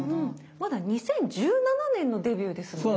まだ２０１７年のデビューですもんね。